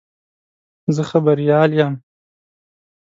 زه خبریال یم.